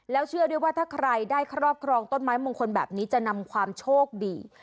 แล้วเชื่อด้วยว่าถ้าใครได้ครอบครองต้นไม้มงคลแบบนี้จะนำความโชคดี